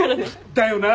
だよな！